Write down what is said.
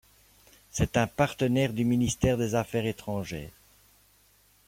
C'est un partenaire du Ministère des Affaires Etrangères.